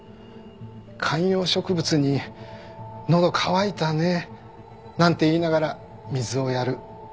観葉植物に「のど渇いたね」なんて言いながら水をやる。